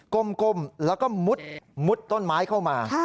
ก้มแล้วก็มุดต้นไม้เข้ามา